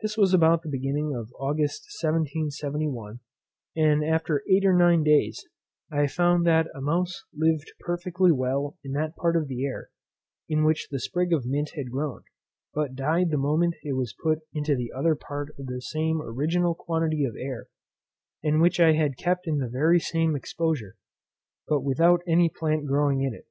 This was about the beginning of August 1771, and after eight or nine days, I found that a mouse lived perfectly well in that part of the air, in which the sprig of mint had grown, but died the moment it was put into the other part of the same original quantity of air; and which I had kept in the very same exposure, but without any plant growing in it.